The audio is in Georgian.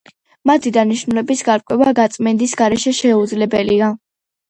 მათი დანიშნულების გარკვევა გაწმენდის გარეშე შეუძლებელია.